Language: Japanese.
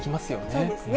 そうですね。